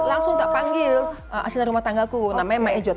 langsung tak panggil asli rumah tangga aku namanya ma'ijot